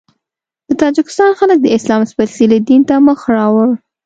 د تاجکستان خلک د اسلام سپېڅلي دین ته مخ راوړ.